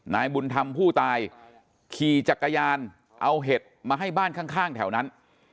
นายบุญธรรมผู้ตายขี่จักรยานเอาเห็ดมาให้บ้านข้างแถวนั้น